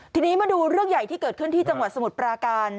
ทีนี้มาดูเรื่องใหญ่ที่เกิดขึ้นที่จังหวัดสมุทรปราการ